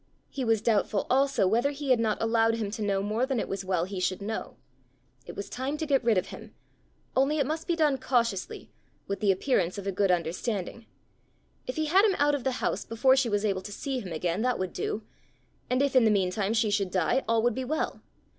He was doubtful also whether he had not allowed him to know more than it was well he should know. It was time to get rid of him only it must be done cautiously, with the appearance of a good understanding! If he had him out of the house before she was able to see him again, that would do! And if in the meantime she should die, all would be well!